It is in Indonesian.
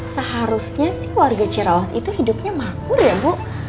seharusnya warga ciraus itu hidupnya makmur ya bu